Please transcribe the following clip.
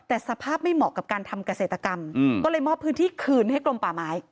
แต่สภาพไม่เหมาะกับการทำเกษตรกรรมก็เลยมอบพื้นที่คืนให้กลมป่าไม้